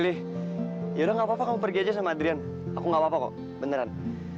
eh yaudah gak apa apa kamu pergi aja sama adrian aku gak apa apa kok beneran